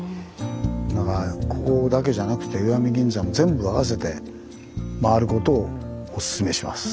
ここだけじゃなくて石見銀山も全部合わせて回ることをおすすめします。